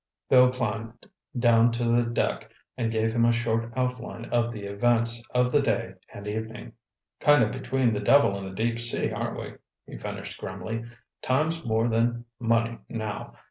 Bill climbed down to the deck and gave him a short outline of the events of the day and evening. "Kind of between the devil and the deep sea, aren't we?" he finished grimly. "Time's more than money now.